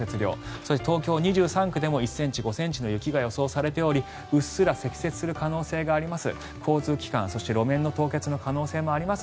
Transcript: そして東京２３区でも１ｃｍ、５ｃｍの雪が予想されておりうっすら積雪する可能性があります。